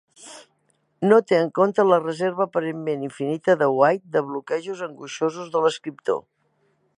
No té en compte la reserva aparentment infinita de White de bloquejos angoixosos de l'escriptor.